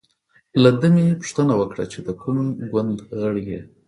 له ده مې پوښتنه وکړه چې د کوم ګوند غړی یې.